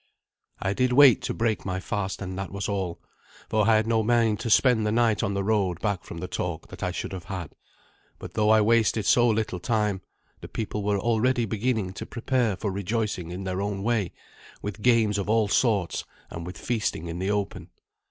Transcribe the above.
I did wait to break my fast, and that was all, for I had no mind to spend the night on the road back from the talk that I should have had; but though I wasted so little time, the people were already beginning to prepare for rejoicing in their own way with games of all sorts and with feasting in the open.